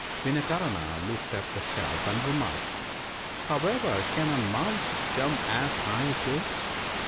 Vinakarna looked at the shelf and remarked, " However can a mouse jump as high as this